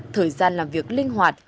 thời gian làm việc linh hoạt